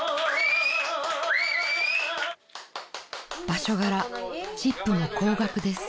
［場所柄チップも高額です］